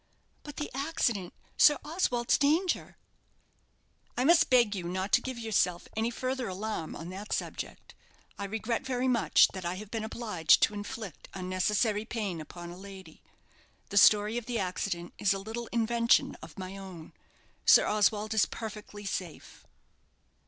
"But the accident? Sir Oswald's danger " "I must beg you not to give yourself any further alarm on that subject. I regret very much that I have been obliged to inflict unnecessary pain upon a lady. The story of the accident is a little invention of my own. Sir Oswald is perfectly safe."